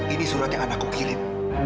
ini surat yang anakku kirim